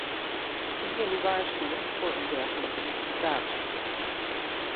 Ik wil u waarschuwen voor een dergelijke interpretatie.